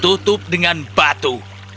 tutup dengan batu